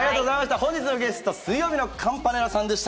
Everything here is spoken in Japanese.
本日のゲスト、水曜日のカンパネラさんでした。